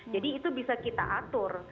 jadi itu bisa kita atur